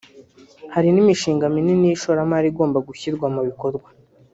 Hari n’imishinga minini y’ishoramari igomba gushyirwa mu bikorwa